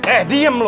eh diam mas